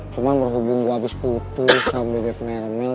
cuman berhubung gue habis putus sambil dek mer mel